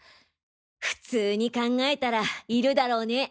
普通に考えたらいるだろうね。